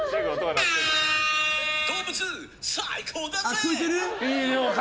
動物最高だぜ！